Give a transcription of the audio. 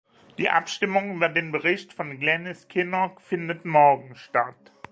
Die Abstimmung über den Bericht von Glenys Kinnock findet morgen statt.